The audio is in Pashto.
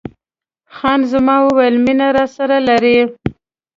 خان زمان وویل: مینه راسره لرې؟